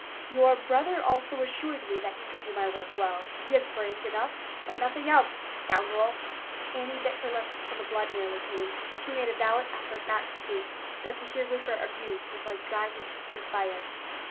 "Your brother also assured me that he could do my work well. He had brains enough, but nothing else, the scoundrel!" Annie bit her lips until the blood nearly came. She made a valiant effort not to speak; but to hear Rupert abused was like dragging her through fire.